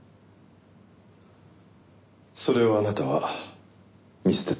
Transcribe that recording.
それをあなたは見捨てた。